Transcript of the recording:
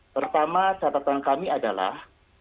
pertama catatan kami adalah